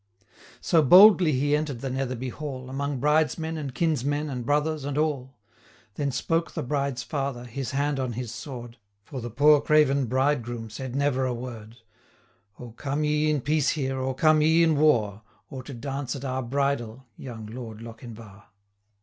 So boldly he enter'd the Netherby Hall, 325 Among bride's men, and kinsmen, and brothers, and all: Then spoke the bride's father, his hand on his sword, (For the poor craven bridegroom said never a word,) 'O come ye in peace here, or come ye in war, Or to dance at our bridal, young Lord Lochinvar?'